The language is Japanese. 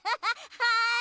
はい。